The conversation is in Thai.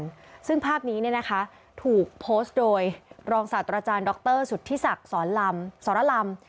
ซึ่งภาพนี้เนี่ยนะคะถูกโพสต์โดยรองศาสตราจารย์ดรสุธิศักดิ์สอนลำสรลำ